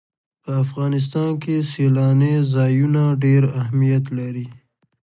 په افغانستان کې سیلانی ځایونه ډېر اهمیت لري.